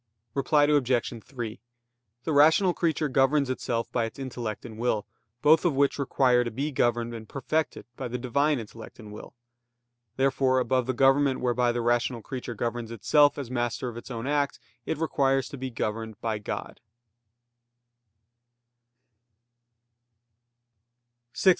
Reply Obj. 3: The rational creature governs itself by its intellect and will, both of which require to be governed and perfected by the Divine intellect and will. Therefore above the government whereby the rational creature governs itself as master of its own act, it requires to be governed by God.